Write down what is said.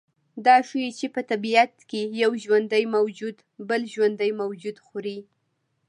دا ښیي چې په طبیعت کې یو ژوندی موجود بل ژوندی موجود خوري